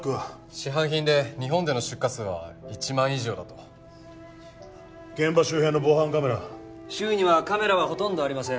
市販品で日本での出荷数は１万以上だと現場周辺の防犯カメラ周囲にはカメラはほとんどありません